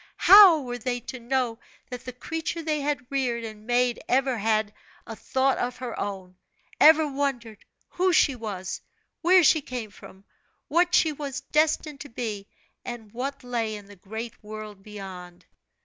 How were they to know that the creature they had reared and made ever had a thought of her own ever wondered who she was, where she came from, what she was destined to be, and what lay in the great world beyond?